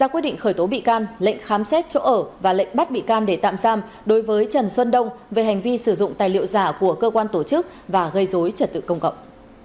ra quyết định khởi tố bị can lệnh khám xét chỗ ở và lệnh bắt bị can để tạm giam đối với trần xuân đông về hành vi sử dụng tài liệu giả của cơ quan tổ chức và gây dối trật tự công cộng